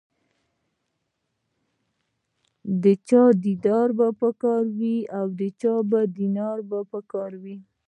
د چا دیدار په کار وي او د چا دینار په کار وي.